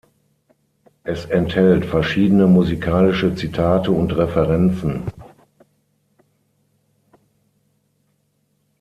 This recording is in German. Es enthält verschiedene musikalische Zitate und Referenzen.